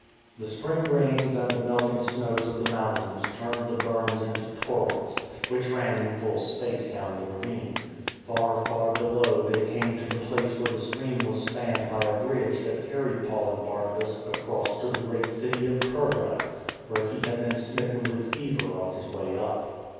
The spring rains and the melting snows of the mountains turned the burns into torrents, which ran in full spate down the ravine. Far, far below they came to the place where the stream was spanned by a bridge that carried Paul and Barnabas across to the great city of Perga, where he had been smitten with fever on his way up.